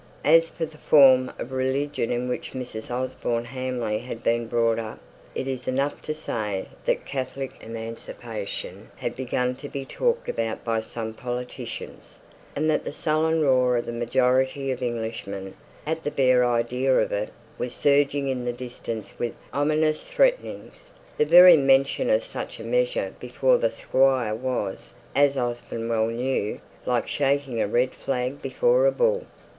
As for the form of religion in which Mrs. Osborne Hamley had been brought up, it is enough to say that Catholic emancipation had begun to be talked about by some politicians, and that the sullen roar of the majority of Englishmen, at the bare idea of it, was surging in the distance with ominous threatenings; the very mention of such a measure before the Squire was, as Osborne well knew, like shaking a red flag before a bull.